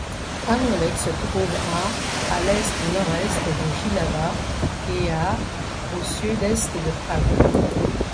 Arnolec se trouve à à l'est-nord-est de Jihlava et à au sud-est de Prague.